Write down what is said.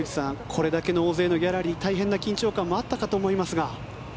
これだけの大勢のギャラリーの中大変な緊張感もあったかと思いますが。